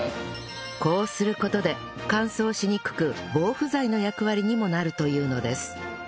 こうする事で乾燥しにくく防腐剤の役割にもなるというのです